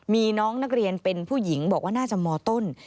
มีน้องนักเรียนเป็นผู้หญิงบอกว่าน่าจะมต้น